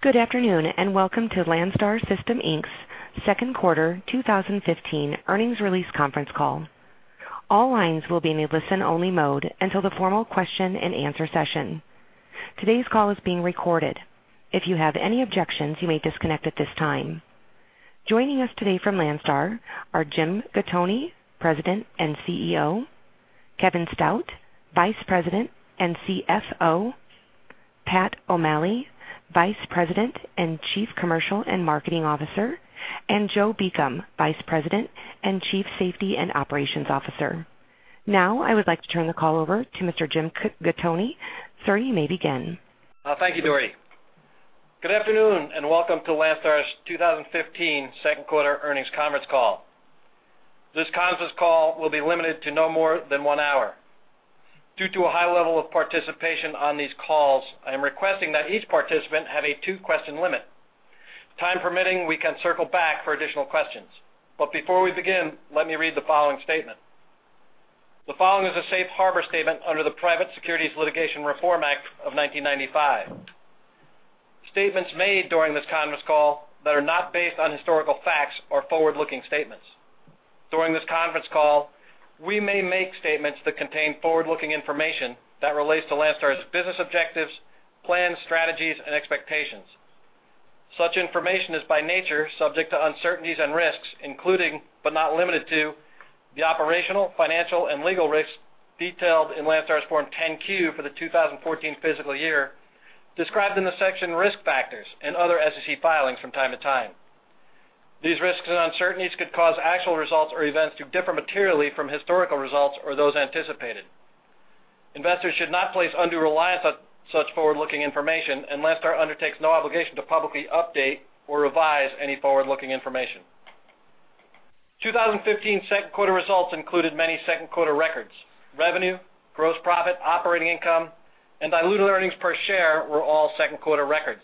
Good afternoon, and welcome to Landstar System Inc's second quarter 2015 earnings release conference call. All lines will be in a listen-only mode until the formal question-and-answer session. Today's call is being recorded. If you have any objections, you may disconnect at this time. Joining us today from Landstar are Jim Gattoni, President and CEO; Kevin Stout, Vice President and CFO; Pat O'Malley, Vice President and Chief Commercial and Marketing Officer; and Joe Beacom, Vice President and Chief Safety and Operations Officer. Now, I would like to turn the call over to Mr. Jim Gattoni. Sir, you may begin. Thank you, Dorothy. Good afternoon, and welcome to Landstar's 2015 second quarter earnings conference call. This conference call will be limited to no more than one hour. Due to a high level of participation on these calls, I am requesting that each participant have a two-question limit. Time permitting, we can circle back for additional questions. But before we begin, let me read the following statement. The following is a safe harbor statement under the Private Securities Litigation Reform Act of 1995. Statements made during this conference call that are not based on historical facts or forward-looking statements. During this conference call, we may make statements that contain forward-looking information that relates to Landstar's business objectives, plans, strategies, and expectations. Such information is, by nature, subject to uncertainties and risks, including, but not limited to, the operational, financial, and legal risks detailed in Landstar's Form 10-Q for the 2014 fiscal year, described in the section Risk Factors and other SEC filings from time to time. These risks and uncertainties could cause actual results or events to differ materially from historical results or those anticipated. Investors should not place undue reliance on such forward-looking information, and Landstar undertakes no obligation to publicly update or revise any forward-looking information. 2015 second quarter results included many second quarter records. Revenue, gross profit, operating income, and diluted earnings per share were all second-quarter records.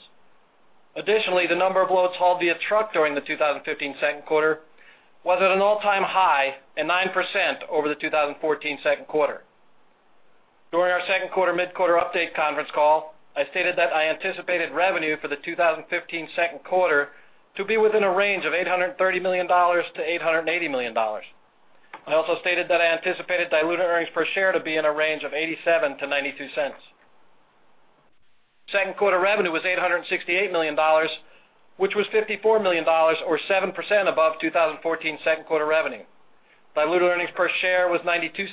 Additionally, the number of loads hauled via truck during the 2015 second quarter was at an all-time high and 9% over the 2014 second quarter. During our second quarter mid-quarter update conference call, I stated that I anticipated revenue for the 2015 second quarter to be within a range of $830 million-$880 million. I also stated that I anticipated diluted earnings per share to be in a range of $0.87-$0.92. Second quarter revenue was $868 million, which was $54 million or 7% above 2014 second quarter revenue. Diluted earnings per share was $0.92,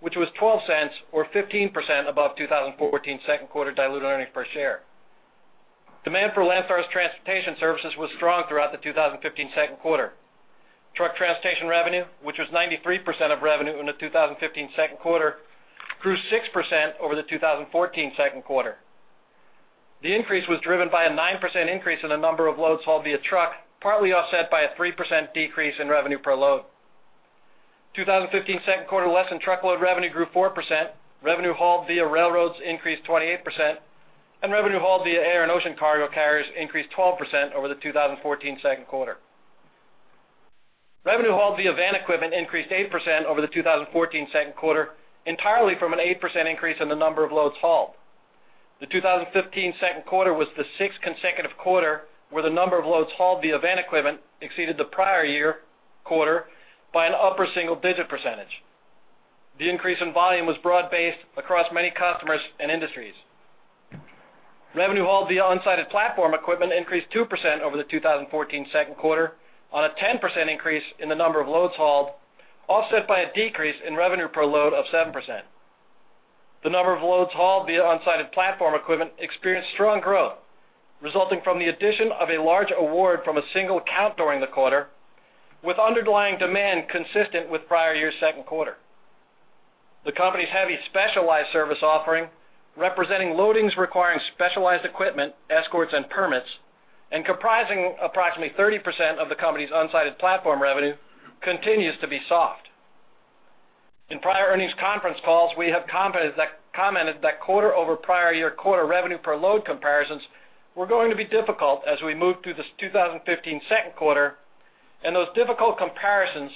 which was $0.12 or 15% above 2014 second quarter diluted earnings per share. Demand for Landstar's transportation services was strong throughout the 2015 second quarter. Truck transportation revenue, which was 93% of revenue in the 2015 second quarter, grew 6% over the 2014 second quarter. The increase was driven by a 9% increase in the number of loads hauled via truck, partly offset by a 3% decrease in revenue per load. 2015 second quarter less-than-truckload revenue grew 4%, revenue hauled via railroads increased 28%, and revenue hauled via air and ocean cargo carriers increased 12% over the 2014 second quarter. Revenue hauled via van equipment increased 8% over the 2014 second quarter, entirely from an 8% increase in the number of loads hauled. The 2015 second quarter was the sixth consecutive quarter, where the number of loads hauled via van equipment exceeded the prior year quarter by an upper single-digit %. The increase in volume was broad-based across many customers and industries. Revenue hauled via unsided platform equipment increased 2% over the 2014 second quarter on a 10% increase in the number of loads hauled, offset by a decrease in revenue per load of 7%. The number of loads hauled via unsided platform equipment experienced strong growth, resulting from the addition of a large award from a single account during the quarter, with underlying demand consistent with prior year's second quarter. The company's heavy specialized service offering, representing loads requiring specialized equipment, escorts, and permits, and comprising approximately 30% of the company's unsided platform revenue, continues to be soft. In prior earnings conference calls, we have commented that quarter over prior year quarter revenue per load comparisons were going to be difficult as we moved through this 2015 second quarter, and those difficult comparisons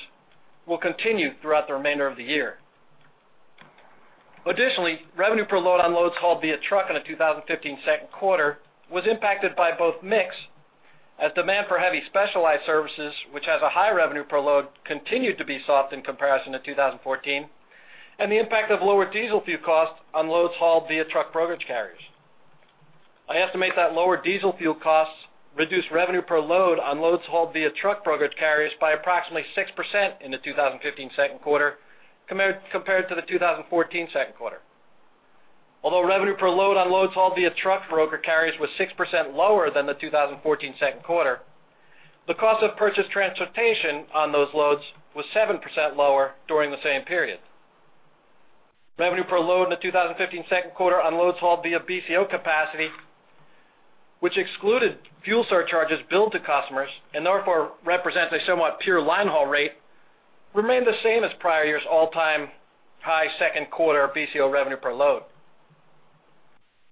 will continue throughout the remainder of the year. Additionally, revenue per load on loads hauled via truck in the 2015 second quarter was impacted by both mix, as demand for heavy specialized services, which has a high revenue per load, continued to be soft in comparison to 2014, and the impact of lower diesel fuel costs on loads hauled via truck brokerage carriers. I estimate that lower diesel fuel costs reduced revenue per load on loads hauled via truck brokerage carriers by approximately 6% in the 2015 second quarter, compared to the 2014 second quarter. Although revenue per load on loads hauled via truck broker carriers was 6% lower than the 2014 second quarter, the cost of purchased transportation on those loads was 7% lower during the same period. Revenue per load in the 2015 second quarter on loads hauled via BCO capacity, which excluded fuel surcharges billed to customers and therefore represents a somewhat pure line haul rate, remained the same as prior year's all-time high second quarter BCO revenue per load.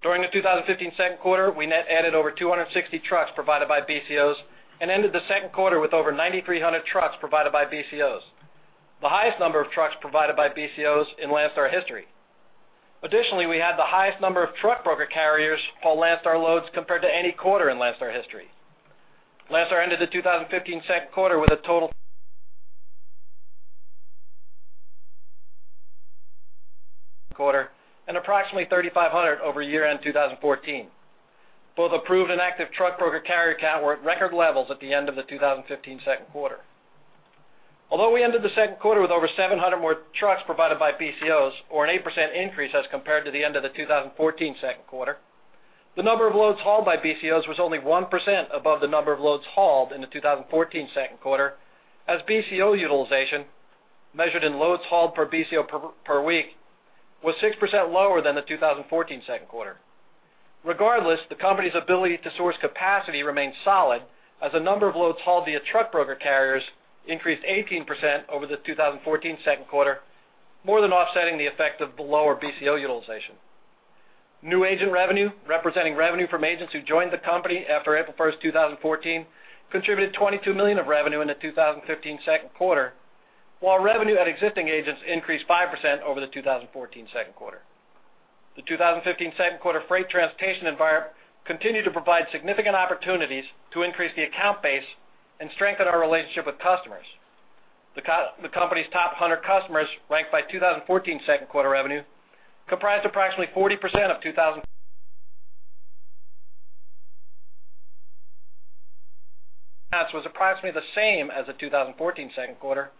During the 2015 second quarter, we net added over 260 trucks provided by BCOs and ended the second quarter with over 9,300 trucks provided by BCOs, the highest number of trucks provided by BCOs in Landstar history. Additionally, we had the highest number of truck broker carriers haul Landstar loads compared to any quarter in Landstar history. Landstar ended the 2015 second quarter with a total quarter, and approximately 3,500 over year-end 2014. Both approved and active truck broker carrier count were at record levels at the end of the 2015 second quarter. Although we ended the second quarter with over 700 more trucks provided by BCOs, or an 8% increase as compared to the end of the 2014 second quarter, the number of loads hauled by BCOs was only 1% above the number of loads hauled in the 2014 second quarter, as BCO utilization, measured in loads hauled per BCO per week, was 6% lower than the 2014 second quarter. Regardless, the company's ability to source capacity remains solid, as the number of loads hauled via truck brokerage carriers increased 18% over the 2014 second quarter, more than offsetting the effect of the lower BCO utilization. New agent revenue, representing revenue from agents who joined the company after April 1, 2014, contributed $22 million of revenue in the 2015 second quarter, while revenue at existing agents increased 5% over the 2014 second quarter. The 2015 second quarter freight transportation environment continued to provide significant opportunities to increase the account base and strengthen our relationship with customers. The company's top 100 customers, ranked by 2014 second quarter revenue, comprised approximately 40% of 2014, was approximately the same as the 2014 second quarter,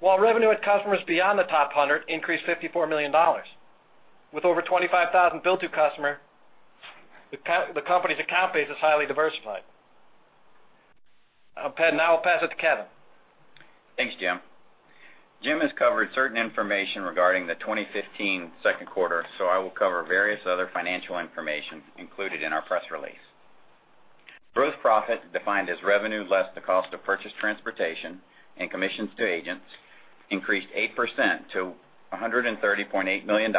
while revenue at customers beyond the top 100 increased $54 million. With over 25,000 bill-to customers, the company's account base is highly diversified. Now I'll pass it to Kevin. Thanks, Jim. Jim has covered certain information regarding the 2015 second quarter, so I will cover various other financial information included in our press release. Gross profit, defined as revenue less the cost of purchased transportation and commissions to agents, increased 8% to $130.8 million,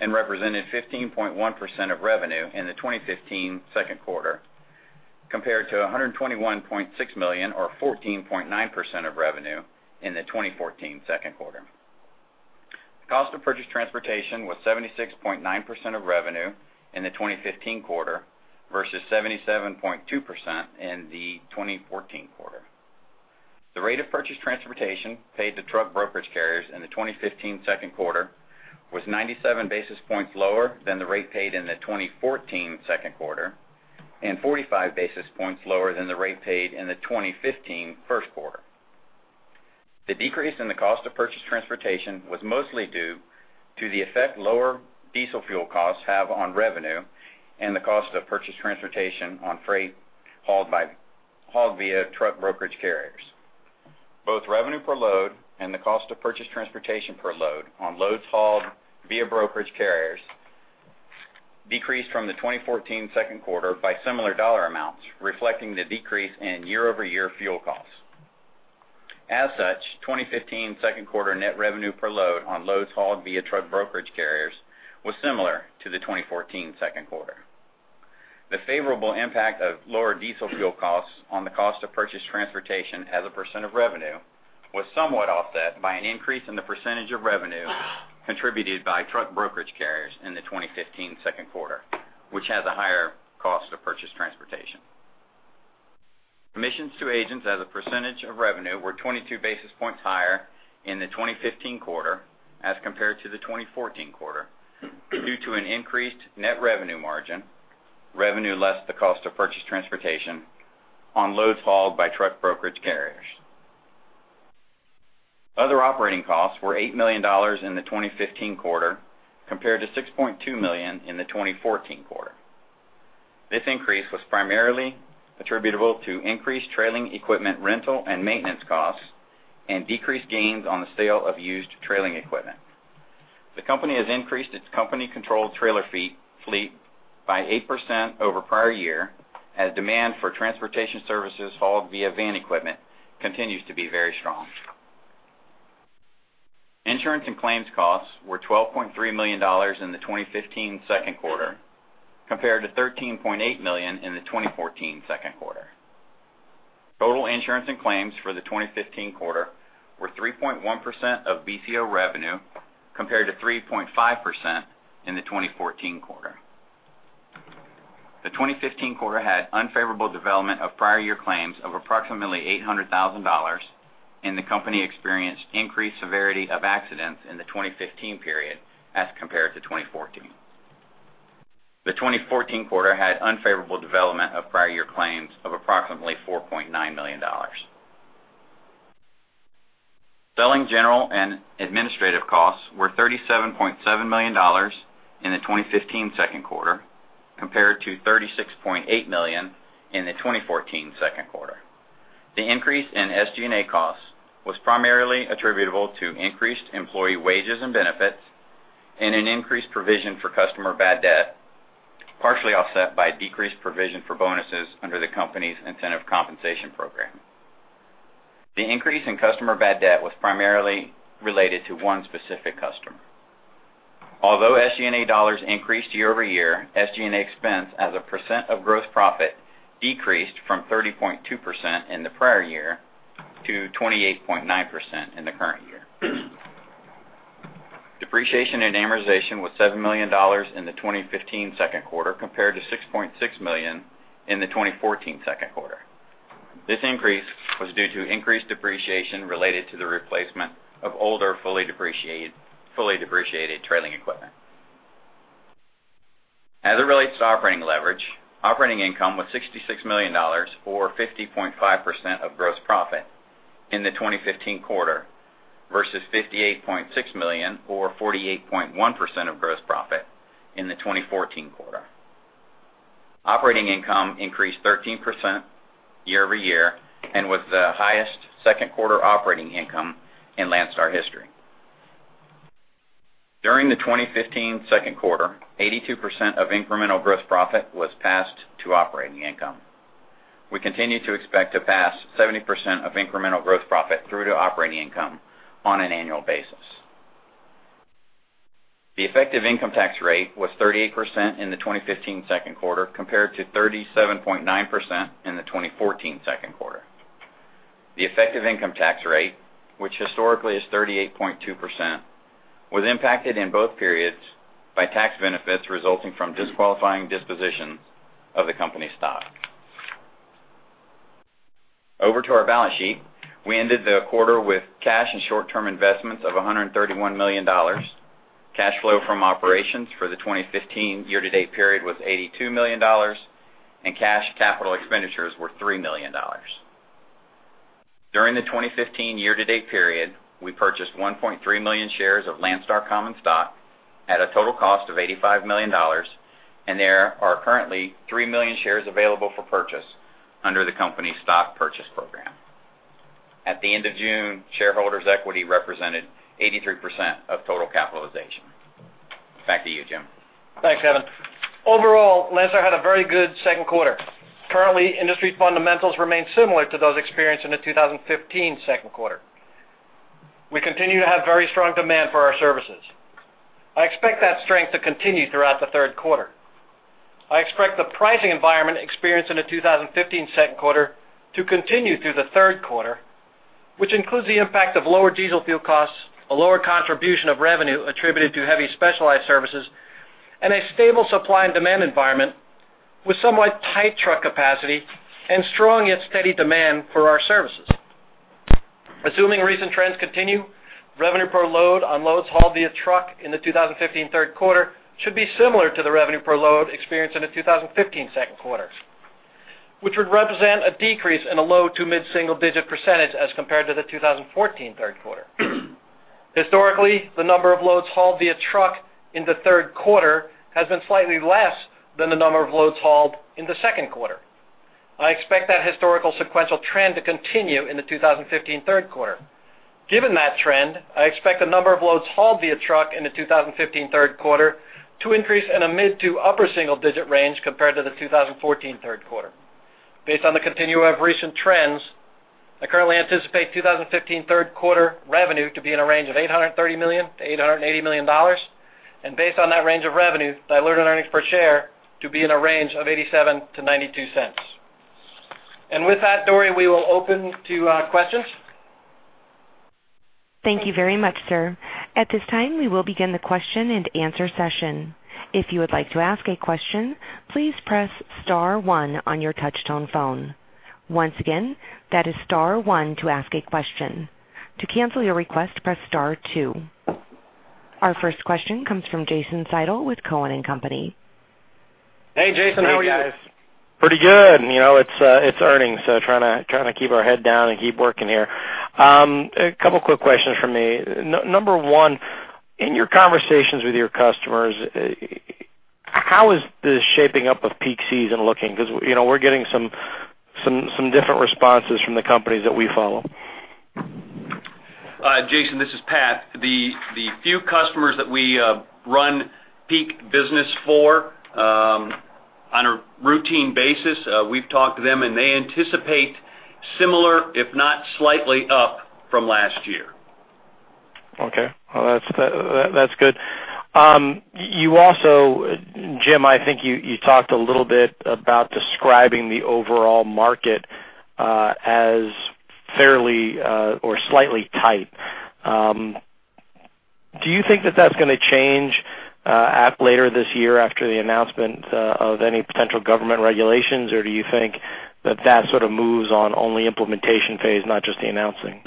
and represented 15.1% of revenue in the 2015 second quarter, compared to $121.6 million, or 14.9% of revenue, in the 2014 second quarter. The cost of purchased transportation was 76.9% of revenue in the 2015 quarter versus 77.2% in the 2014 quarter. The rate of purchased transportation paid to truck brokerage carriers in the 2015 second quarter was 97 basis points lower than the rate paid in the 2014 second quarter, and 45 basis points lower than the rate paid in the 2015 first quarter. The decrease in the cost of purchased transportation was mostly due to the effect lower diesel fuel costs have on revenue and the cost of purchased transportation on freight hauled via truck brokerage carriers. Both revenue per load and the cost of purchased transportation per load on loads hauled via brokerage carriers decreased from the 2014 second quarter by similar dollar amounts, reflecting the decrease in year-over-year fuel costs. As such, 2015 second quarter net revenue per load on loads hauled via truck brokerage carriers was similar to the 2014 second quarter. The favorable impact of lower diesel fuel costs on the cost of purchased transportation as a percent of revenue was somewhat offset by an increase in the percentage of revenue contributed by truck brokerage carriers in the 2015 second quarter, which has a higher cost of purchased transportation. Commissions to agents as a percentage of revenue were 22 basis points higher in the 2015 quarter as compared to the 2014 quarter, due to an increased net revenue margin, revenue less the cost of purchased transportation on loads hauled by truck brokerage carriers. Other operating costs were $8 million in the 2015 quarter, compared to $6.2 million in the 2014 quarter. This increase was primarily attributable to increased trailer equipment rental and maintenance costs and decreased gains on the sale of used trailer equipment. The company has increased its company-controlled trailer free fleet by 8% over prior year, as demand for transportation services hauled via van equipment continues to be very strong. Insurance and claims costs were $12.3 million in the 2015 second quarter, compared to $13.8 million in the 2014 second quarter. Total insurance and claims for the 2015 quarter were 3.1% of BCO revenue, compared to 3.5% in the 2014 quarter. The 2015 quarter had unfavorable development of prior year claims of approximately $800,000, and the company experienced increased severity of accidents in the 2015 period as compared to 2014. The 2014 quarter had unfavorable development of prior year claims of approximately $4.9 million. Selling, general, and administrative costs were $37.7 million in the 2015 second quarter, compared to $36.8 million in the 2014 second quarter. The increase in SG&A costs was primarily attributable to increased employee wages and benefits and an increased provision for customer bad debt, partially offset by decreased provision for bonuses under the company's incentive compensation program. The increase in customer bad debt was primarily related to one specific customer. Although SG&A dollars increased year-over-year, SG&A expense as a percent of gross profit decreased from 30.2% in the prior year to 28.9% in the current year. Depreciation and amortization was $7 million in the 2015 second quarter, compared to $6.6 million in the 2014 second quarter. This increase was due to increased depreciation related to the replacement of older, fully depreciated, fully depreciated trailer equipment. As it relates to operating leverage, operating income was $66 million, or 50.5% of gross profit in the 2015 quarter, versus $58.6 million, or 48.1% of gross profit in the 2014 quarter. Operating income increased 13% year-over-year and was the highest second quarter operating income in Landstar history. During the 2015 second quarter, 82% of incremental gross profit was passed to operating income. We continue to expect to pass 70% of incremental gross profit through to operating income on an annual basis. The effective income tax rate was 38% in the 2015 second quarter, compared to 37.9% in the 2014 second quarter. The effective income tax rate, which historically is 38.2%, was impacted in both periods by tax benefits resulting from disqualifying dispositions of the company's stock. Over to our balance sheet. We ended the quarter with cash and short-term investments of $131 million. Cash flow from operations for the 2015 year-to-date period was $82 million, and cash capital expenditures were $3 million. During the 2015 year-to-date period, we purchased 1.3 million shares of Landstar common stock at a total cost of $85 million, and there are currently 3 million shares available for purchase under the company's stock purchase program. At the end of June, shareholders' equity represented 83% of total capitalization. Back to you, Jim. Thanks, Kevin. Overall, Landstar had a very good second quarter. Currently, industry fundamentals remain similar to those experienced in the 2015 second quarter. We continue to have very strong demand for our services. I expect that strength to continue throughout the third quarter. I expect the pricing environment experienced in the 2015 second quarter to continue through the third quarter, which includes the impact of lower diesel fuel costs, a lower contribution of revenue attributed to heavy specialized services, and a stable supply and demand environment with somewhat tight truck capacity and strong, yet steady demand for our services. Assuming recent trends continue, revenue per load on loads hauled via truck in the 2015 third quarter should be similar to the revenue per load experienced in the 2015 second quarter, which would represent a decrease in a low- to mid-single-digit % as compared to the 2014 third quarter. Historically, the number of loads hauled via truck in the third quarter has been slightly less than the number of loads hauled in the second quarter. I expect that historical sequential trend to continue in the 2015 third quarter. Given that trend, I expect the number of loads hauled via truck in the 2015 third quarter to increase in a mid- to upper-single-digit range compared to the 2014 third quarter. Based on the continuation of recent trends, I currently anticipate 2015 third quarter revenue to be in a range of $830 million-$880 million, and based on that range of revenue, diluted earnings per share to be in a range of $0.87-$0.92. And with that, Dory, we will open to questions. Thank you very much, sir. At this time, we will begin the question-and-answer session. If you would like to ask a question, please press star one on your touchtone phone. Once again, that is star one to ask a question. To cancel your request, press star two. Our first question comes from Jason Seidl with Cowen and Company. Hey, Jason, how are you? Hey, guys. Pretty good. You know, it's earnings, so trying to keep our head down and keep working here. A couple quick questions from me. Number one, in your conversations with your customers, how is the shaping up of peak season looking? Because, you know, we're getting some different responses from the companies that we follow. Jason, this is Pat. The few customers that we run peak business for, on a routine basis, we've talked to them, and they anticipate similar, if not slightly up from last year. Okay. Well, that's good. You also, Jim, I think you talked a little bit about describing the overall market as fairly or slightly tight. Do you think that that's gonna change later this year after the announcement of any potential government regulations, or do you think that sort of moves on only implementation phase, not just the announcing?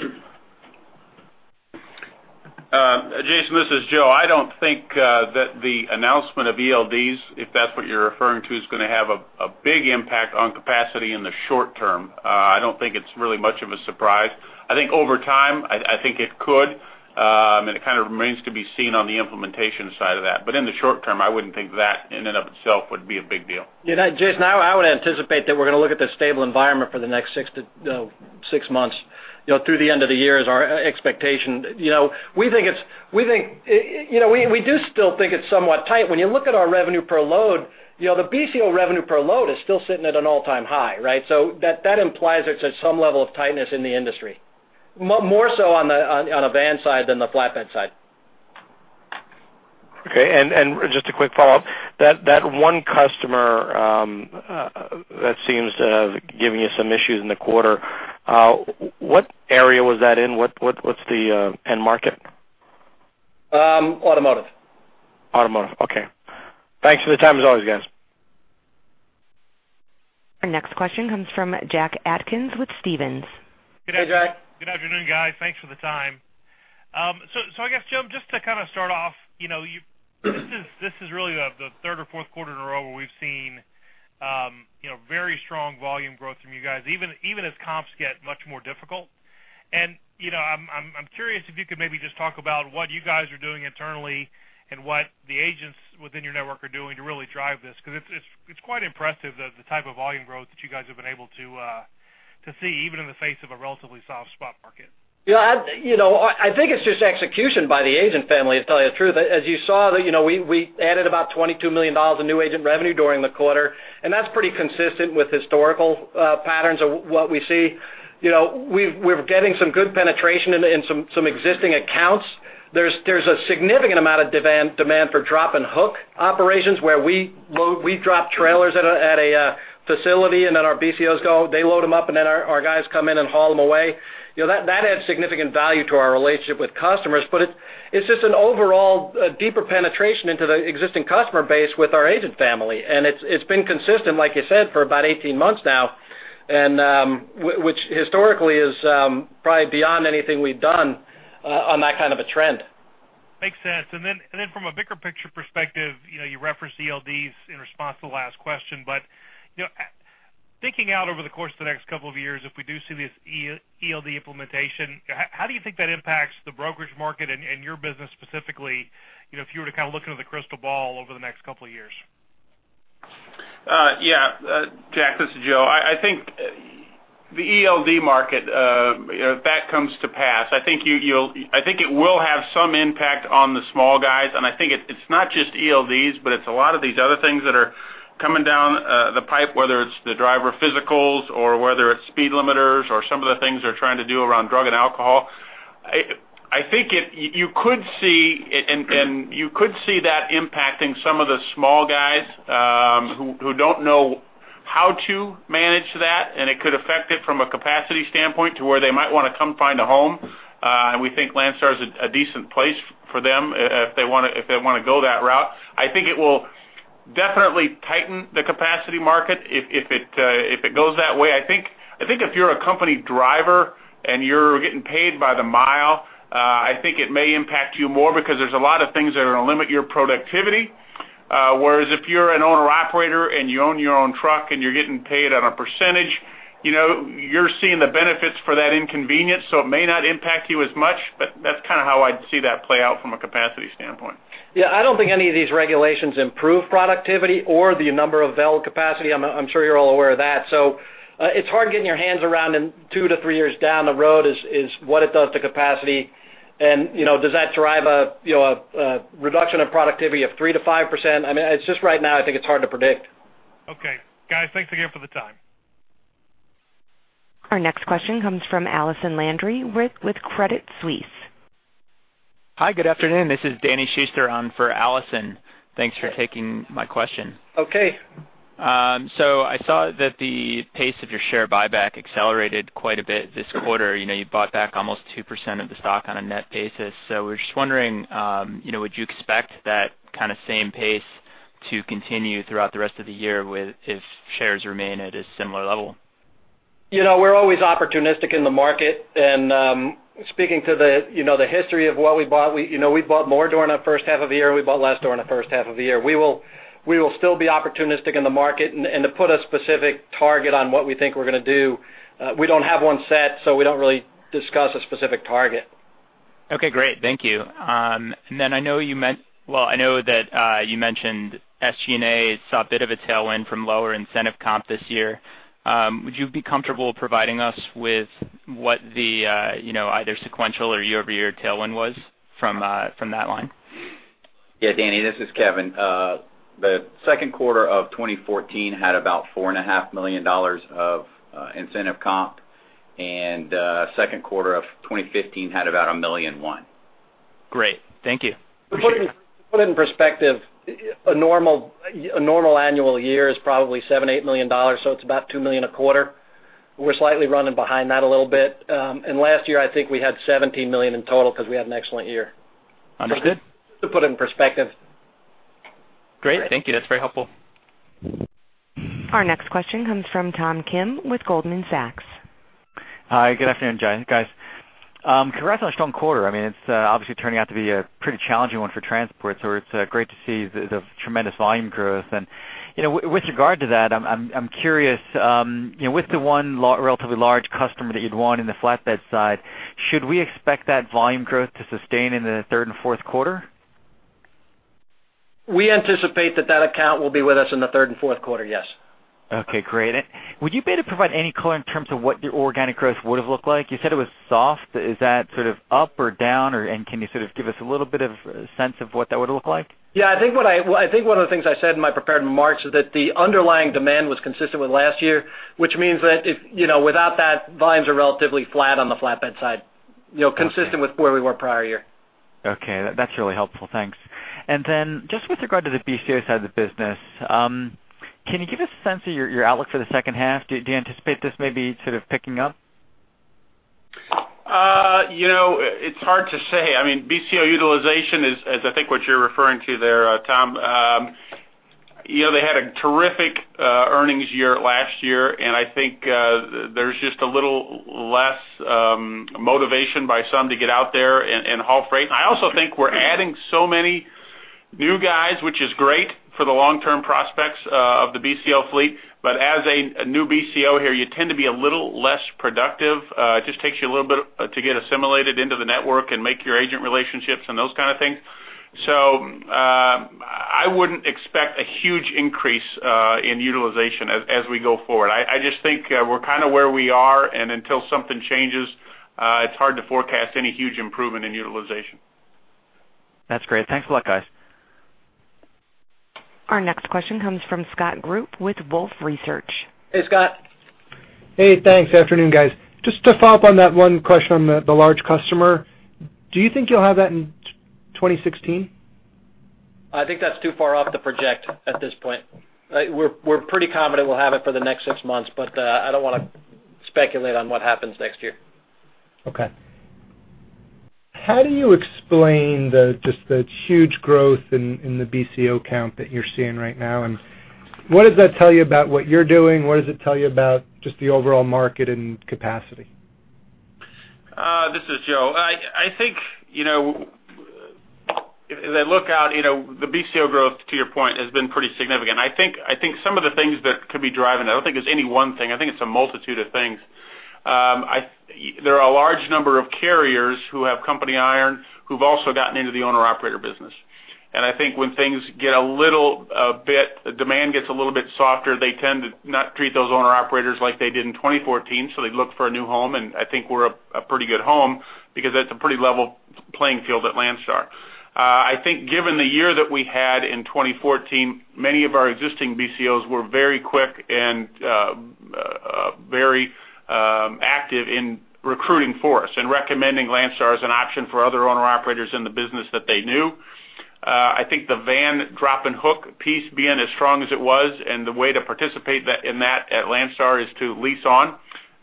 Jason, this is Joe. I don't think that the announcement of ELDs, if that's what you're referring to, is gonna have a big impact on capacity in the short term. I don't think it's really much of a surprise. I think over time, I think it could, and it kind of remains to be seen on the implementation side of that, but in the short term, I wouldn't think that in and of itself would be a big deal. Yeah, Jason, I would anticipate that we're gonna look at the stable environment for the next six to six months, you know, through the end of the year as our expectation. You know, we think it's-- we think, you know, we, we do still think it's somewhat tight. When you look at our revenue per load, you know, the BCO revenue per load is still sitting at an all-time high, right? So that, that implies there's some level of tightness in the industry, more so on the, on, on a van side than the flatbed side. Okay, and, and just a quick follow-up. That, that one customer, that seems to have given you some issues in the quarter, what area was that in? What's the end market? Um, automotive. Automotive. Okay. Thanks for the time as always, guys. Our next question comes from Jack Atkins with Stephens. Hey, Jack. Good afternoon, guys. Thanks for the time. So I guess, Jim, just to kind of start off, you know, this is really the third or fourth quarter in a row where we've seen, you know, very strong volume growth from you guys, even as comps get much more difficult. You know, I'm curious if you could maybe just talk about what you guys are doing internally and what the agents within your network are doing to really drive this, because it's quite impressive the type of volume growth that you guys have been able to see, even in the face of a relatively soft spot market. Yeah, I, you know, I think it's just execution by the agent family, to tell you the truth. As you saw, you know, we, we added about $22 million in new agent revenue during the quarter, and that's pretty consistent with historical patterns of what we see. You know, we're getting some good penetration in, in some, some existing accounts. There's, there's a significant amount of demand, demand for drop-and-hook operations, where we load, we drop trailers at a facility, and then our BCOs go, they load them up, and then our, our guys come in and haul them away. You know, that, that adds significant value to our relationship with customers. But it's just an overall, a deeper penetration into the existing customer base with our agent family, and it's been consistent, like you said, for about 18 months now, and which historically is probably beyond anything we've done on that kind of a trend. Makes sense. And then from a bigger picture perspective, you know, you referenced ELDs in response to the last question. But, you know, thinking out over the course of the next couple of years, if we do see this ELD implementation, how do you think that impacts the brokerage market and your business specifically, you know, if you were to kind of look into the crystal ball over the next couple of years? Yeah, Jack, this is Joe. I think the ELD market, you know, if that comes to pass, I think you'll I think it will have some impact on the small guys, and I think it's not just ELDs, but it's a lot of these other things that are coming down the pipe, whether it's the driver physicals or whether it's speed limiters or some of the things they're trying to do around drug and alcohol. I think it, you could see it, and you could see that impacting some of the small guys, who don't know how to manage that, and it could affect it from a capacity standpoint to where they might want to come find a home. And we think Landstar is a decent place for them if they want to go that route. I think it will definitely tighten the capacity market if it goes that way. I think if you're a company driver and you're getting paid by the mile, I think it may impact you more because there's a lot of things that are going to limit your productivity. Whereas if you're an owner-operator and you own your own truck and you're getting paid on a percentage, you know, you're seeing the benefits for that inconvenience, so it may not impact you as much, but that's kind of how I'd see that play out from a capacity standpoint. Yeah, I don't think any of these regulations improve productivity or the number of available capacity. I'm sure you're all aware of that. So, it's hard getting your hands around in 2-3 years down the road is what it does to capacity. And, you know, does that drive a, you know, a reduction of productivity of 3%-5%? I mean, it's just right now, I think it's hard to predict. Okay. Guys, thanks again for the time. Our next question comes from Allison Landry with Credit Suisse. Hi, good afternoon. This is Danny Schuster on for Allison. Thanks for taking my question. Okay. So, I saw that the pace of your share buyback accelerated quite a bit this quarter. You know, you bought back almost 2% of the stock on a net basis. So we're just wondering, you know, would you expect that kind of same pace to continue throughout the rest of the year with, if shares remain at a similar level? You know, we're always opportunistic in the market. And, speaking to the, you know, the history of what we bought, we, you know, we bought more during the first half of the year, and we bought less during the first half of the year. We will, we will still be opportunistic in the market. And, and to put a specific target on what we think we're going to do, we don't have one set, so we don't really discuss a specific target. Okay, great. Thank you. And then I know you well, I know that you mentioned SG&A saw a bit of a tailwind from lower incentive comp this year. Would you be comfortable providing us with what the, you know, either sequential or year-over-year tailwind was from, from that line? Yeah, Danny, this is Kevin. The second quarter of 2014 had about $4.5 million of incentive comp, and second quarter of 2015 had about $1.1 million. Great. Thank you. To put it in perspective, a normal annual year is probably $7-$8 million, so it's about $2 million a quarter. We're slightly running behind that a little bit. And last year, I think we had $17 million in total because we had an excellent year. Understood. To put it in perspective. Great. Thank you. That's very helpful. Our next question comes from Tom Kim with Goldman Sachs. Hi, good afternoon, guys. Congrats on a strong quarter. I mean, it's obviously turning out to be a pretty challenging one for transport, so it's great to see the tremendous volume growth. And, you know, with regard to that, I'm curious, you know, with the one relatively large customer that you'd want in the flatbed side, should we expect that volume growth to sustain into the third and fourth quarter? We anticipate that that account will be with us in the third and fourth quarter, yes. Okay, great. Would you be able to provide any color in terms of what your organic growth would have looked like? You said it was soft. Is that sort of up or down, or and can you sort of give us a little bit of sense of what that would look like? Yeah, I think one of the things I said in my prepared remarks is that the underlying demand was consistent with last year, which means that if, you know, without that, volumes are relatively flat on the flatbed side. You know, consistent with where we were prior year. Okay, that's really helpful. Thanks. And then just with regard to the BCO side of the business, can you give us a sense of your outlook for the second half? Do you anticipate this may be sort of picking up? You know, it's hard to say. I mean, BCO utilization is, I think, what you're referring to there, Tom. You know, they had a terrific earnings year last year, and I think there's just a little less motivation by some to get out there and haul freight. I also think we're adding so many new guys, which is great for the long-term prospects of the BCO fleet. But as a new BCO here, you tend to be a little less productive. It just takes you a little bit to get assimilated into the network and make your agent relationships and those kind of things. So, I wouldn't expect a huge increase in utilization as we go forward. I just think, we're kind of where we are, and until something changes, it's hard to forecast any huge improvement in utilization. That's great. Thanks a lot, guys. Our next question comes from Scott Group with Wolfe Research. Hey, Scott. Hey, thanks. Afternoon, guys. Just to follow up on that one question on the large customer, do you think you'll have that in 2016? I think that's too far off to project at this point. We're pretty confident we'll have it for the next six months, but I don't want to speculate on what happens next year. Okay. How do you explain the just the huge growth in, in the BCO count that you're seeing right now? And what does that tell you about what you're doing? What does it tell you about just the overall market and capacity? This is Joe. I think, you know, as I look out, you know, the BCO growth, to your point, has been pretty significant. I think some of the things that could be driving it, I don't think there's any one thing, I think it's a multitude of things. There are a large number of carriers who have company iron, who've also gotten into the owner-operator business. And I think when things get a little bit, the demand gets a little bit softer, they tend to not treat those owner-operators like they did in 2014, so they look for a new home, and I think we're a pretty good home because that's a pretty level playing field at Landstar. I think given the year that we had in 2014, many of our existing BCOs were very quick and very active in recruiting for us and recommending Landstar as an option for other owner-operators in the business that they knew. I think the van drop-and-hook piece being as strong as it was, and the way to participate in that at Landstar is to lease on.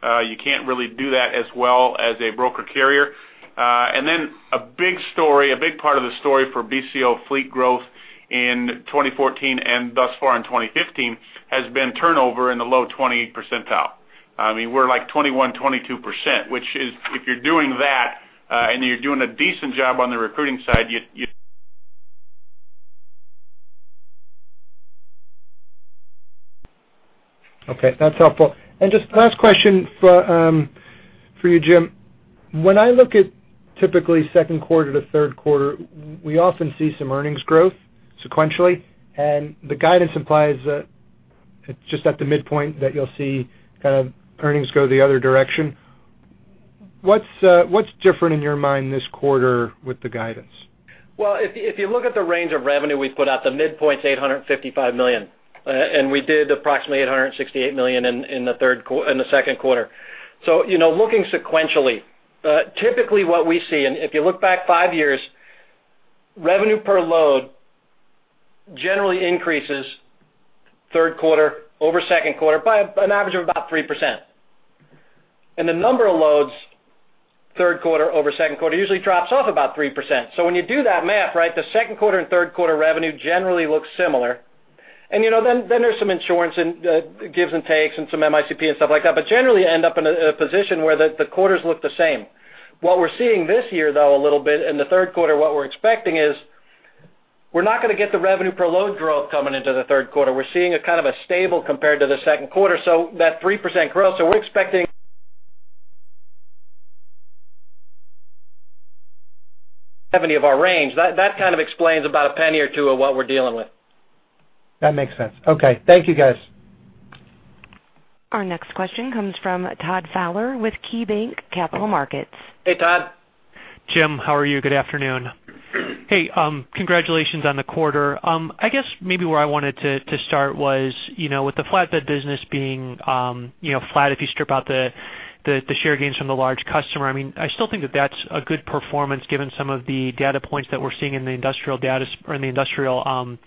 You can't really do that as well as a broker carrier. And then a big story, a big part of the story for BCO fleet growth in 2014 and thus far in 2015, has been turnover in the low 20 percent. I mean, we're like 21%-22%, which is if you're doing that and you're doing a decent job on the recruiting side, you. Okay, that's helpful. And just last question for you, Jim. When I look at typically second quarter to third quarter, we often see some earnings growth sequentially, and the guidance implies that it's just at the midpoint that you'll see kind of earnings go the other direction. What's different in your mind this quarter with the guidance? Well, if you, if you look at the range of revenue we've put out, the midpoint is $855 million, and we did approximately $868 million in the second quarter. So, you know, looking sequentially, typically what we see, and if you look back five years, revenue per load generally increases third quarter over second quarter by an average of about 3%. And the number of loads, third quarter over second quarter, usually drops off about 3%. So when you do that math, right, the second quarter and third quarter revenue generally looks similar. And, you know, then, then there's some insurance and gives and takes and some MICP and stuff like that, but generally end up in a position where the quarters look the same. What we're seeing this year, though, a little bit in the third quarter, what we're expecting is, we're not going to get the revenue per load growth coming into the third quarter. We're seeing a kind of a stable compared to the second quarter, so that 3% growth. So we're expecting 70% of our range. That, that kind of explains about $0.01 or $0.02 of what we're dealing with. That makes sense. Okay, thank you, guys. Our next question comes from Todd Fowler with KeyBanc Capital Markets. Hey, Todd. Jim, how are you? Good afternoon. Hey, congratulations on the quarter. I guess maybe where I wanted to start was, you know, with the flatbed business being, you know, flat, if you strip out the share gains from the large customer, I mean, I still think that that's a good performance, given some of the data points that we're seeing in the industrial data or in the industrial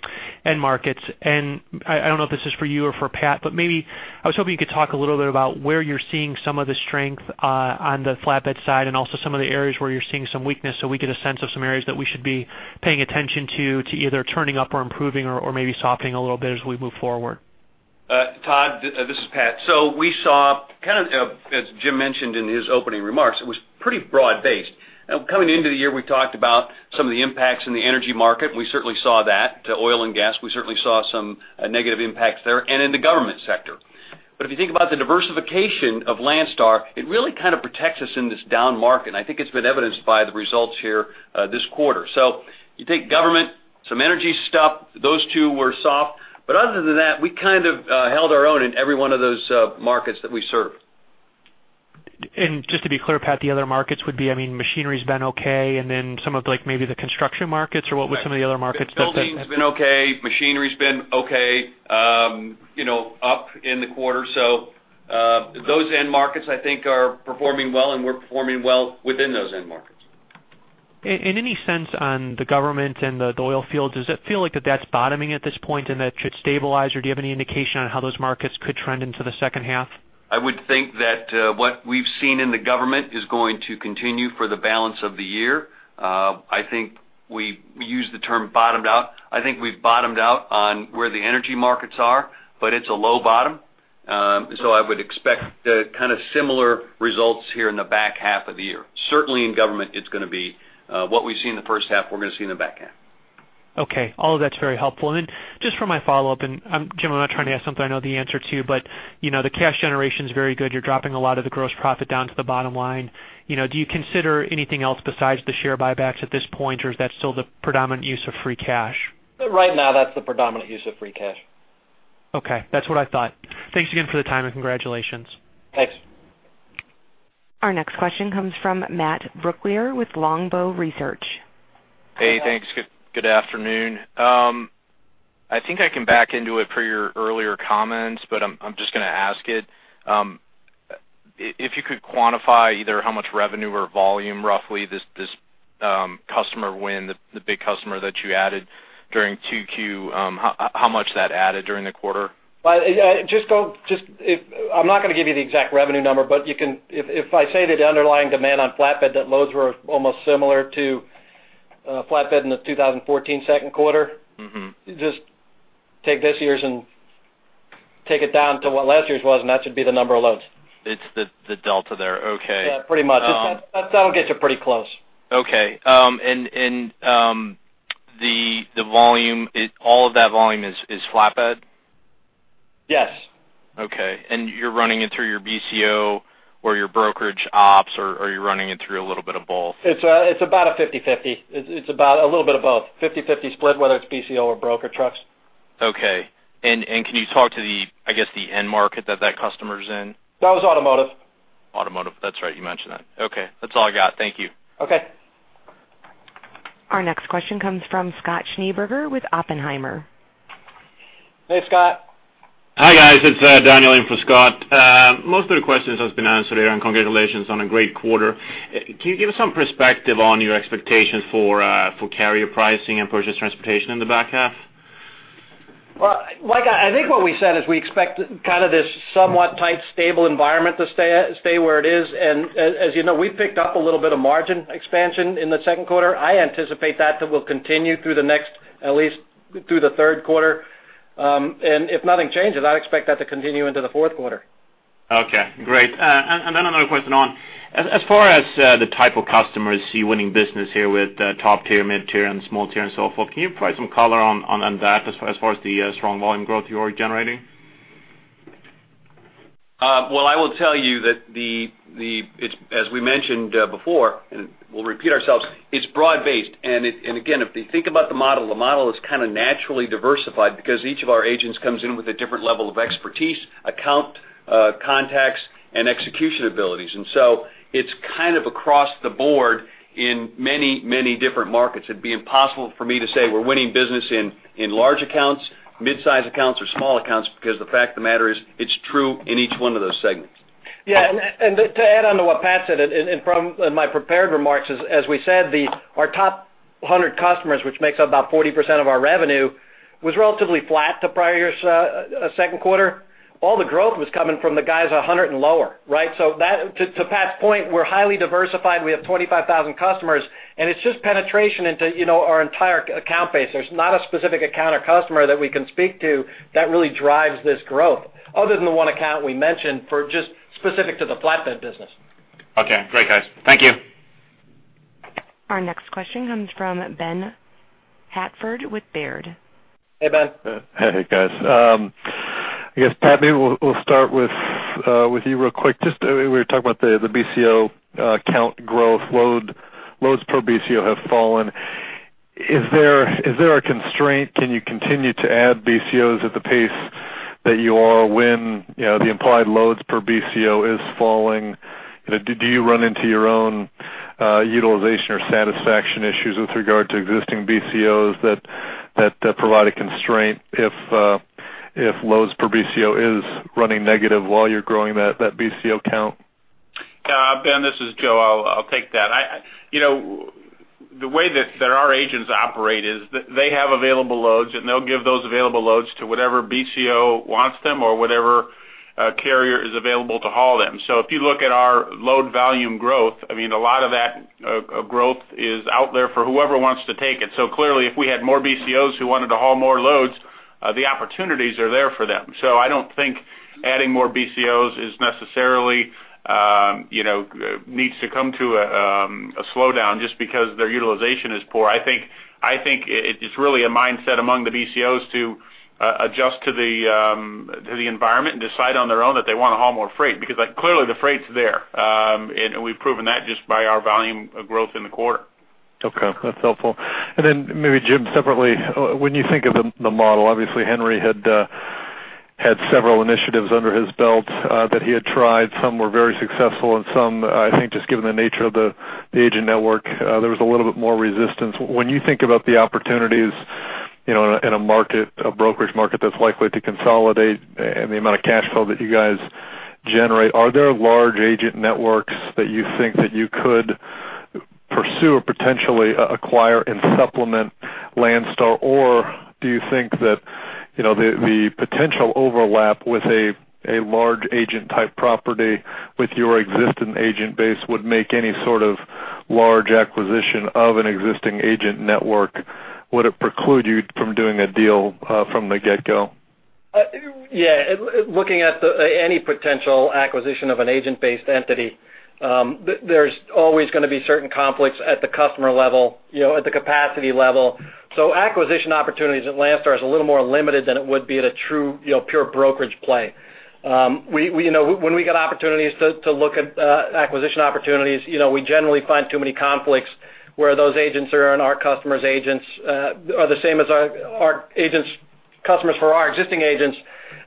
end markets. I don't know if this is for you or for Pat, but maybe I was hoping you could talk a little bit about where you're seeing some of the strength on the flatbed side, and also some of the areas where you're seeing some weakness, so we get a sense of some areas that we should be paying attention to, to either turning up or improving or maybe softening a little bit as we move forward. Todd, this is Pat. So, we saw kind of, as Jim mentioned in his opening remarks, it was pretty broad-based. Now, coming into the year, we talked about some of the impacts in the energy market. We certainly saw that, to oil and gas. We certainly saw some negative impacts there and in the government sector. But if you think about the diversification of Landstar, it really kind of protects us in this down market, and I think it's been evidenced by the results here, this quarter. So, you take government, some energy stuff, those two were soft, but other than that, we kind of held our own in every one of those markets that we serve. Just to be clear, Pat, the other markets would be, I mean, machinery's been okay, and then some of, like, maybe the construction markets, or what were some of the other markets that the- Building's been okay, machinery's been okay, you know, up in the quarter. So, those end markets, I think, are performing well, and we're performing well within those end markets. Any sense on the government and the oil field, does it feel like that that's bottoming at this point, and that should stabilize? Or do you have any indication on how those markets could trend into the second half? I would think that what we've seen in the government is going to continue for the balance of the year. I think we use the term bottomed out. I think we've bottomed out on where the energy markets are, but it's a low bottom. So I would expect the kind of similar results here in the back half of the year. Certainly, in government, it's gonna be what we've seen in the first half, we're gonna see in the back half. Okay. All of that's very helpful. Then just for my follow-up, Jim, I'm not trying to ask something I know the answer to, but, you know, the cash generation is very good. You're dropping a lot of the gross profit down to the bottom line. You know, do you consider anything else besides the share buybacks at this point, or is that still the predominant use of free cash? Right now, that's the predominant use of free cash. Okay, that's what I thought. Thanks again for the time, and congratulations. Thanks. Our next question comes from Matt Brooklier with Longbow Research. Hey, thanks. Good afternoon. I think I can back into it for your earlier comments, but I'm just gonna ask it. If you could quantify either how much revenue or volume, roughly, this customer win, the big customer that you added during 2Q, how much that added during the quarter? Well, yeah, I'm not gonna give you the exact revenue number, but you can, If I say that the underlying demand on flatbed, that loads were almost similar to flatbed in the 2014 second quarter- Mm-hmm. Just take this year's and take it down to what last year's was, and that should be the number of loads. It's the delta there. Okay. Yeah, pretty much. Um. That'll get you pretty close. Okay. And the volume, all of that volume is flatbed? Yes. Okay. You're running it through your BCO or your brokerage ops, or, or are you running it through a little bit of both? It's, it's about a 50/50. It's, it's about a little bit of both. 50/50 split, whether it's BCO or broker trucks. Okay. And can you talk to the, I guess, the end market that that customer's in? That was automotive. Automotive, that's right. You mentioned that. Okay. That's all I got. Thank you. Okay. Our next question comes from Scott Schneeberger with Oppenheimer. Hey, Scott. Hi, guys. It's Daniel in for Scott. Most of the questions has been answered here, and congratulations on a great quarter. Can you give us some perspective on your expectations for carrier pricing and purchase transportation in the back half? Well, like I think what we said is we expect kind of this somewhat tight, stable environment to stay where it is. And as you know, we've picked up a little bit of margin expansion in the second quarter. I anticipate that will continue through the next, at least through the third quarter. And if nothing changes, I'd expect that to continue into the fourth quarter. Okay, great. And then another question on, as far as the type of customers you're winning business here with, top tier, mid-tier, and small tier, and so forth, can you provide some color on that as far as the strong volume growth you are generating? Well, I will tell you that the, it's, as we mentioned, before, and we'll repeat ourselves, it's broad-based. And it, and again, if you think about the model, the model is kind of naturally diversified because each of our agents comes in with a different level of expertise, account, contacts, and execution abilities. And so it's kind of across the board in many, many different markets. It'd be impossible for me to say we're winning business in large accounts, mid-size accounts, or small accounts because the fact of the matter is, it's true in each one of those segments. Yeah, and to add on to what Pat said, and from in my prepared remarks, as we said, our top 100 customers, which makes up about 40% of our revenue, was relatively flat to prior year's second quarter. All the growth was coming from the guys 100 and lower, right? So that, to Pat's point, we're highly diversified. We have 25,000 customers, and it's just penetration into, you know, our entire account base. There's not a specific account or customer that we can speak to that really drives this growth, other than the one account we mentioned for just specific to the flatbed business. Okay. Great, guys. Thank you. Our next question comes from Ben Hartford with Baird. Hey, Ben. Hey, guys. I guess, Pat, maybe we'll start with you real quick. Just, we were talking about the BCO count growth load. Loads per BCO have fallen. Is there a constraint? Can you continue to add BCOs at the pace that you are when, you know, the implied loads per BCO is falling? You know, do you run into your own utilization or satisfaction issues with regard to existing BCOs that provide a constraint if loads per BCO is running negative while you're growing that BCO count? Ben, this is Joe. I'll take that. You know, the way that our agents operate is that they have available loads, and they'll give those available loads to whatever BCO wants them or whatever carrier is available to haul them. So if you look at our load volume growth, I mean, a lot of that growth is out there for whoever wants to take it. So clearly, if we had more BCOs who wanted to haul more loads, the opportunities are there for them. So I don't think adding more BCOs is necessarily, you know, needs to come to a slowdown just because their utilization is poor. I think, I think it's really a mindset among the BCOs to adjust to the environment and decide on their own that they want to haul more freight, because clearly, the freight's there. And, and we've proven that just by our volume of growth in the quarter. Okay, that's helpful. And then maybe, Jim, separately, when you think of the model, obviously, Henry had several initiatives under his belt that he had tried. Some were very successful, and some, I think, just given the nature of the agent network, there was a little bit more resistance. When you think about the opportunities, you know, in a market, a brokerage market that's likely to consolidate and the amount of cash flow that you guys generate, are there large agent networks that you think that you could pursue or potentially acquire and supplement Landstar? Or do you think that, you know, the potential overlap with a large agent-type property with your existing agent base would make any sort of large acquisition of an existing agent network, would it preclude you from doing a deal from the get-go? Yeah, looking at any potential acquisition of an agent-based entity, there's always gonna be certain conflicts at the customer level, you know, at the capacity level. So acquisition opportunities at Landstar is a little more limited than it would be at a true, you know, pure brokerage play. We, you know, when we get opportunities to look at acquisition opportunities, you know, we generally find too many conflicts where those agents are, and our customers' agents are the same as our agents, customers for our existing agents,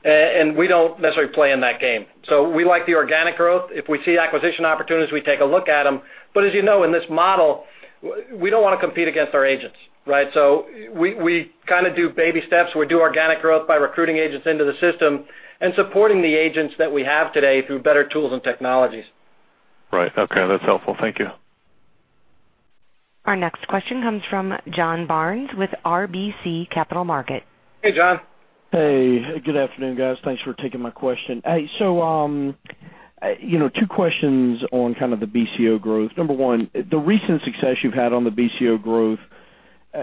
and we don't necessarily play in that game. So we like the organic growth. If we see acquisition opportunities, we take a look at them. But as you know, in this model, we don't want to compete against our agents, right? So we kind of do baby steps. We do organic growth by recruiting agents into the system and supporting the agents that we have today through better tools and technologies. Right. Okay, that's helpful. Thank you. Our next question comes from John Barnes with RBC Capital Markets. Hey, John. Hey, good afternoon, guys. Thanks for taking my question. Hey, so, you know, two questions on kind of the BCO growth. Number one, the recent success you've had on the BCO growth,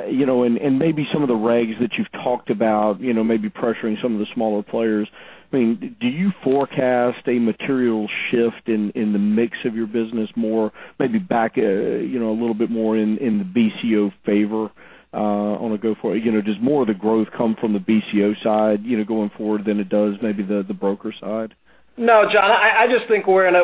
you know, and maybe some of the regs that you've talked about, you know, maybe pressuring some of the smaller players. I mean, do you forecast a material shift in, in the mix of your business more, maybe back, you know, a little bit more in, in the BCO favor, on a go forward? You know, does more of the growth come from the BCO side, you know, going forward than it does maybe the, the broker side? No, John, I just think we're in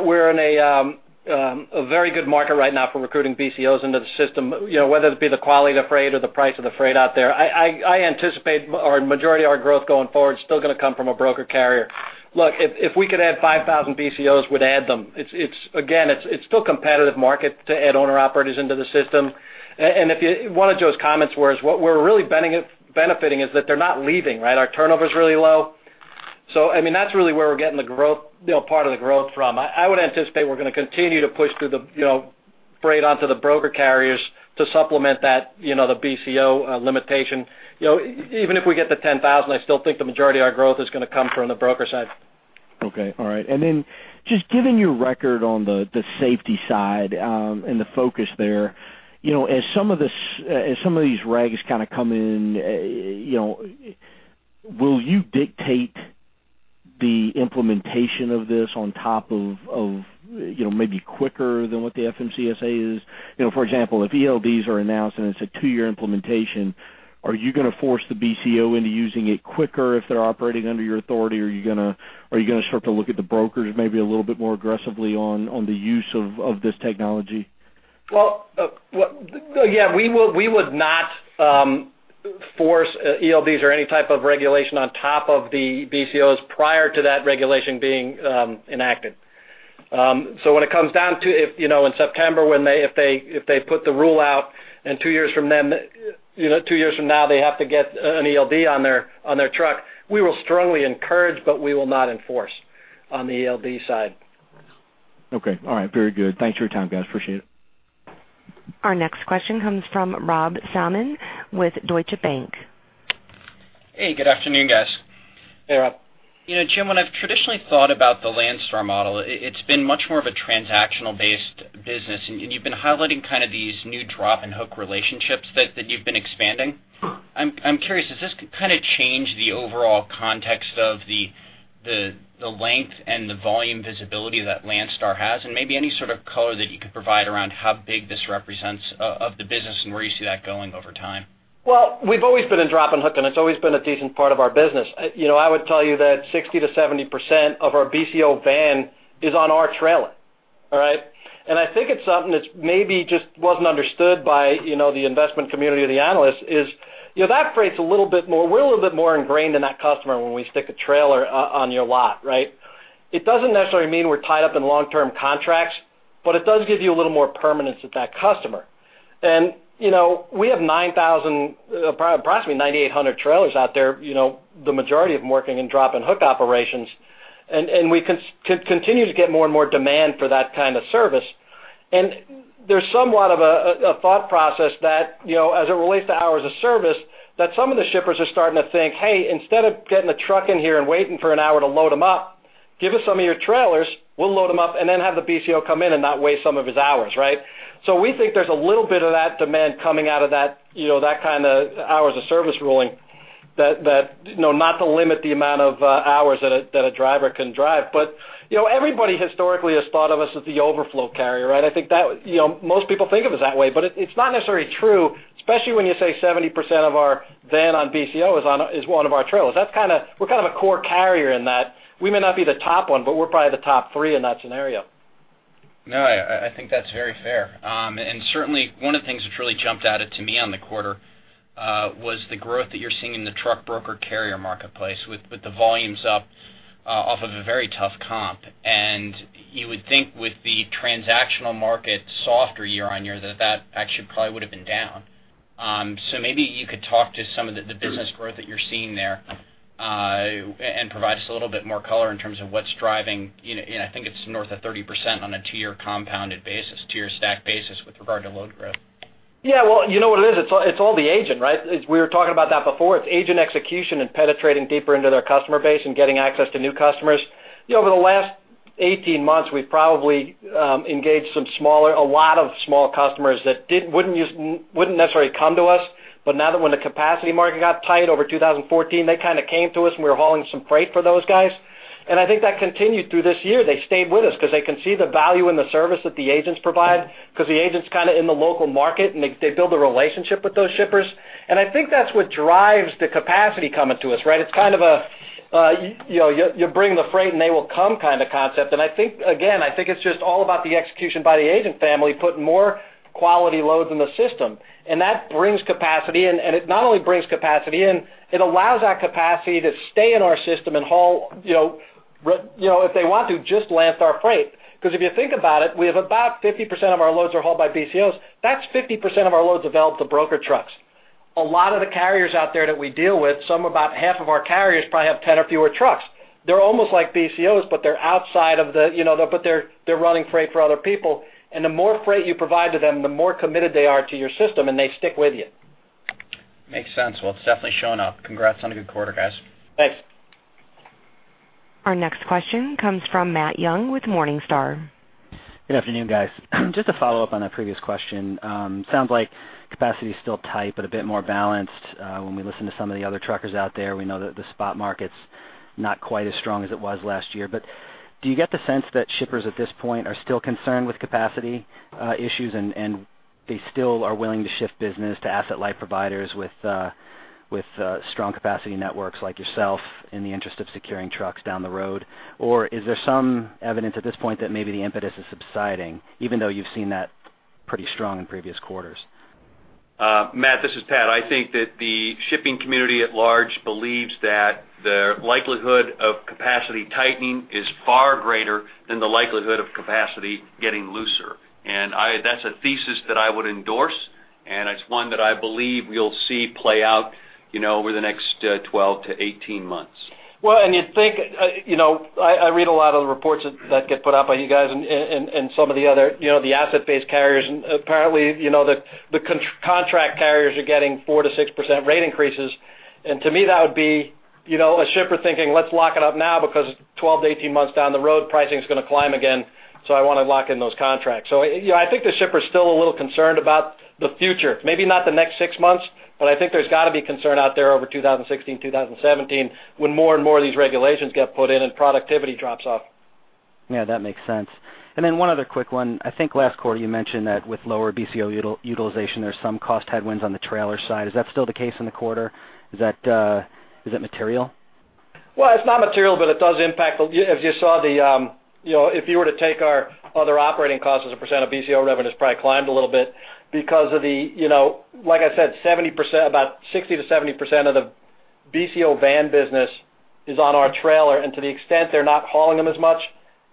a very good market right now for recruiting BCOs into the system. You know, whether it be the quality of the freight or the price of the freight out there, I anticipate our majority of our growth going forward is still gonna come from a broker carrier. Look, if we could add 5,000 BCOs, we'd add them. It's again, it's still competitive market to add owner operators into the system. And if you... One of Joe's comments was, what we're really benefiting is that they're not leaving, right? Our turnover is really low. So I mean, that's really where we're getting the growth, you know, part of the growth from. I would anticipate we're gonna continue to push through the, you know, freight onto the broker carriers to supplement that, you know, the BCO limitation. You know, even if we get to 10,000, I still think the majority of our growth is gonna come from the broker side. Okay, all right. And then just given your record on the safety side, and the focus there, you know, as some of these regs kind of come in, you know, will you dictate the implementation of this on top of, you know, maybe quicker than what the FMCSA is? You know, for example, if ELDs are announced and it's a two-year implementation, are you gonna force the BCO into using it quicker if they're operating under your authority? Or are you gonna start to look at the brokers maybe a little bit more aggressively on the use of this technology? Well, well, yeah, we would, we would not force ELDs or any type of regulation on top of the BCOs prior to that regulation being enacted. So when it comes down to if, you know, in September, when they, if they, if they put the rule out, and two years from then, you know, two years from now, they have to get an ELD on their, on their truck, we will strongly encourage, but we will not enforce on the ELD side. Okay. All right. Very good. Thanks for your time, guys. Appreciate it. Our next question comes from Rob Salmon with Deutsche Bank. Hey, good afternoon, guys. Hey, Rob. You know, Jim, when I've traditionally thought about the Landstar model, it's been much more of a transactional-based business, and you've been highlighting kind of these new drop and hook relationships that you've been expanding. I'm curious, does this kind of change the overall context of the length and the volume visibility that Landstar has, and maybe any sort of color that you could provide around how big this represents of the business and where you see that going over time? Well, we've always been in drop-and-hook, and it's always been a decent part of our business. You know, I would tell you that 60%-70% of our BCO van is on our trailer, all right? And I think it's something that's maybe just wasn't understood by, you know, the investment community or the analysts, is, you know, that freight's a little bit more, we're a little bit more ingrained in that customer when we stick a trailer on your lot, right? It doesn't necessarily mean we're tied up in long-term contracts, but it does give you a little more permanence with that customer. And, you know, we have 9,000, approximately 9,800 trailers out there, you know, the majority of them working in drop-and-hook operations, and we continue to get more and more demand for that kind of service. And there's somewhat of a thought process that, you know, as it relates to hours of service, that some of the shippers are starting to think, "Hey, instead of getting a truck in here and waiting for an hour to load them up, give us some of your trailers, we'll load them up, and then have the BCO come in and not waste some of his hours," right? So we think there's a little bit of that demand coming out of that, you know, that kind of hours of service ruling that, you know, not to limit the amount of hours that a driver can drive. But, you know, everybody historically has thought of us as the overflow carrier, right? I think that, you know, most people think of us that way, but it's not necessarily true, especially when you say 70% of our van on BCO is on a, is one of our trailers. That's kind of, we're kind of a core carrier in that. We may not be the top one, but we're probably the top three in that scenario. No, I think that's very fair. And certainly one of the things which really jumped out at me on the quarter was the growth that you're seeing in the truck broker carrier marketplace with the volumes up off of a very tough comp. And you would think with the transactional market softer year-on-year, that actually probably would have been down. So maybe you could talk to some of the business growth that you're seeing there and provide us a little bit more color in terms of what's driving, you know, and I think it's north of 30% on a two-year compounded basis, two-year stack basis with regard to load growth. Yeah, well, you know what it is? It's, it's all the agent, right? As we were talking about that before, it's agent execution and penetrating deeper into their customer base and getting access to new customers. You know, over the last 18 months, we've probably engaged some smaller—a lot of small customers that wouldn't use, wouldn't necessarily come to us, but now that when the capacity market got tight over 2014, they kind of came to us, and we were hauling some freight for those guys. And I think that continued through this year. They stayed with us because they can see the value in the service that the agents provide, 'cause the agent's kind of in the local market, and they, they build a relationship with those shippers. And I think that's what drives the capacity coming to us, right? It's kind of a you know, you bring the freight, and they will come kind of concept. And I think it's just all about the execution by the agent family, putting more quality loads in the system. And that brings capacity in, and it not only brings capacity in, it allows that capacity to stay in our system and haul, you know, if they want to just land our freight. 'Cause if you think about it, we have about 50% of our loads are hauled by BCOs. That's 50% of our loads available to broker trucks. A lot of the carriers out there that we deal with, some about half of our carriers, probably have 10 or fewer trucks. They're almost like BCOs, but they're outside of the, you know, but they're running freight for other people. The more freight you provide to them, the more committed they are to your system, and they stick with you. Makes sense. Well, it's definitely showing up. Congrats on a good quarter, guys. Thanks. Our next question comes from Matt Young with Morningstar. Good afternoon, guys. Just to follow up on that previous question, sounds like capacity is still tight, but a bit more balanced. When we listen to some of the other truckers out there, we know that the spot market's not quite as strong as it was last year. But do you get the sense that shippers at this point are still concerned with capacity issues, and they still are willing to shift business to asset light providers with strong capacity networks like yourself in the interest of securing trucks down the road? Or is there some evidence at this point that maybe the impetus is subsiding, even though you've seen that pretty strong in previous quarters? Matt, this is Pat. I think that the shipping community at large believes that the likelihood of capacity tightening is far greater than the likelihood of capacity getting looser. And that's a thesis that I would endorse, and it's one that I believe we'll see play out, you know, over the next 12-18 months. Well, and you'd think, you know, I read a lot of the reports that get put out by you guys and some of the other, you know, the asset-based carriers, and apparently, you know, the contract carriers are getting 4%-6% rate increases. And to me, that would be, you know, a shipper thinking, "Let's lock it up now, because 12-18 months down the road, pricing is going to climb again, so I want to lock in those contracts." So, you know, I think the shipper is still a little concerned about the future. Maybe not the next six months, but I think there's got to be concern out there over 2016, 2017, when more and more of these regulations get put in and productivity drops off. Yeah, that makes sense. And then one other quick one. I think last quarter you mentioned that with lower BCO utilization, there's some cost headwinds on the trailer side. Is that still the case in the quarter? Is that, is that material? Well, it's not material, but it does impact the... If you saw the, you know, if you were to take our other operating costs as a percent of BCO revenues, probably climbed a little bit because of the, you know, like I said, 70%, about 60%-70% of the BCO van business is on our trailer, and to the extent they're not hauling them as much,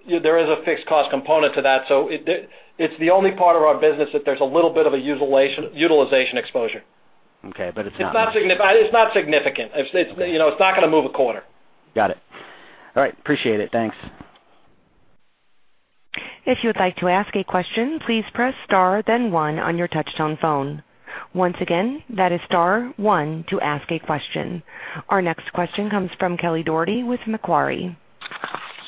there is a fixed cost component to that. So it, it's the only part of our business that there's a little bit of a utilization exposure. Okay, but it's not- It's not significant. It's, you know, it's not going to move a quarter. Got it. All right. Appreciate it. Thanks. If you would like to ask a question, please press star then one on your touchtone phone. Once again, that is star one to ask a question. Our next question comes from Kelly Dougherty with Macquarie.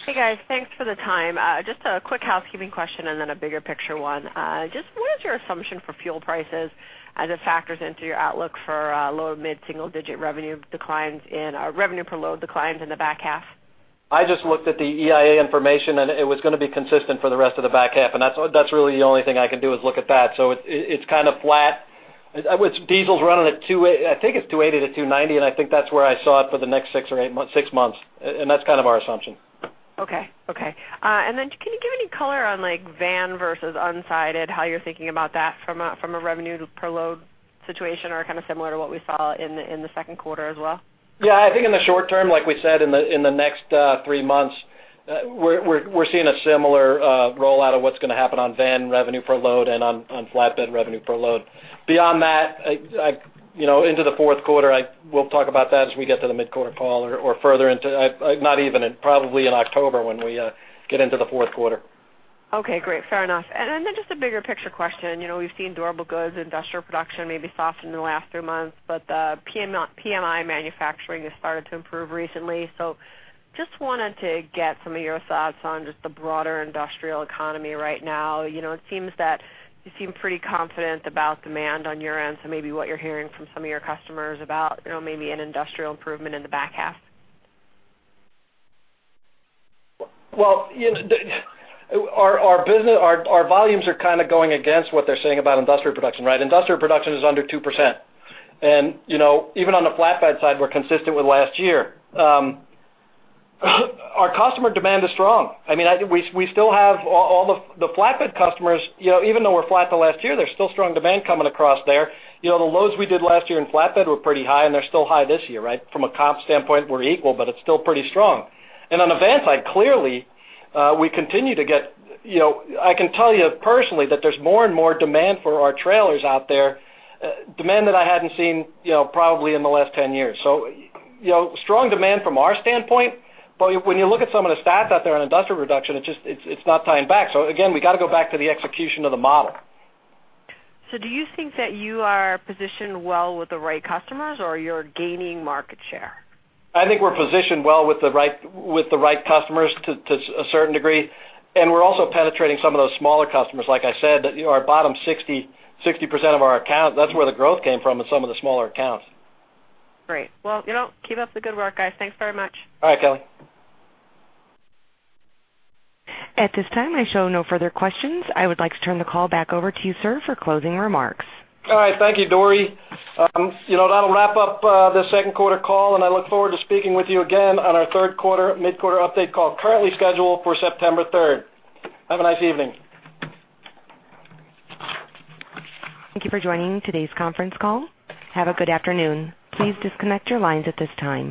Hey, guys. Thanks for the time. Just a quick housekeeping question and then a bigger picture one. Just what is your assumption for fuel prices as it factors into your outlook for, low to mid-single digit revenue declines in, revenue per load declines in the back half? I just looked at the EIA information, and it was going to be consistent for the rest of the back half, and that's, that's really the only thing I can do is look at that. So it, it's kind of flat. I would, Diesel's running at $2.80, I think it's $2.80-$2.90, and I think that's where I saw it for the next six or eight months, six months. And, and that's kind of our assumption. Okay. Okay. And then can you give any color on, like, van versus unsided, how you're thinking about that from a revenue per load situation or kind of similar to what we saw in the second quarter as well? Yeah, I think in the short term, like we said, in the next three months, we're seeing a similar rollout of what's going to happen on van revenue per load and on flatbed revenue per load. Beyond that, you know, into the fourth quarter, we'll talk about that as we get to the mid-quarter call or further into, not even in, probably in October, when we get into the fourth quarter. Okay, great. Fair enough. And then just a bigger picture question. You know, we've seen durable goods, industrial production maybe soften in the last three months, but the PMI manufacturing has started to improve recently. So just wanted to get some of your thoughts on just the broader industrial economy right now. You know, it seems that you seem pretty confident about demand on your end, so maybe what you're hearing from some of your customers about, you know, maybe an industrial improvement in the back half. Well, you know, our business, our volumes are kind of going against what they're saying about industrial production, right? Industrial production is under 2%. You know, even on the flatbed side, we're consistent with last year. Our customer demand is strong. I mean, we still have all the flatbed customers, you know, even though we're flat to last year, there's still strong demand coming across there. You know, the loads we did last year in flatbed were pretty high, and they're still high this year, right? From a comp standpoint, we're equal, but it's still pretty strong. On the van side, clearly, we continue to get, you know, I can tell you personally that there's more and more demand for our trailers out there, demand that I hadn't seen, you know, probably in the last 10 years. So, you know, strong demand from our standpoint, but when you look at some of the stats out there on industrial production, it's just, it's not tying back. So again, we got to go back to the execution of the model. Do you think that you are positioned well with the right customers or you're gaining market share? I think we're positioned well with the right customers to a certain degree, and we're also penetrating some of those smaller customers. Like I said, you know, our bottom 60% of our accounts, that's where the growth came from, in some of the smaller accounts. Great. Well, you know, keep up the good work, guys. Thanks very much. All right, Kelly. At this time, I show no further questions. I would like to turn the call back over to you, sir, for closing remarks. All right. Thank you, Dory. You know, that'll wrap up this second quarter call, and I look forward to speaking with you again on our third quarter mid-quarter update call, currently scheduled for September third. Have a nice evening. Thank you for joining today's conference call. Have a good afternoon. Please disconnect your lines at this time.